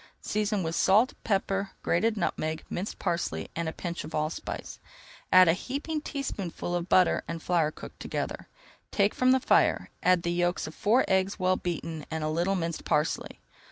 Season with salt, pepper, grated nutmeg, minced parsley, and a pinch of allspice. Add a heaping teaspoonful of butter and flour cooked together. Take from the fire, add the yolks of four eggs well beaten and a little minced parsley.